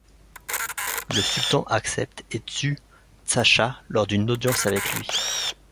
Le sultan accepte et tue Tzachas lors d'une audience avec lui.